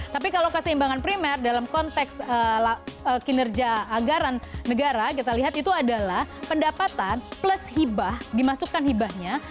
tapi kalau keseimbangan primer dalam konteks kinerja anggaran negara kita lihat itu adalah pendapatan plus hibah dimasukkan hibahnya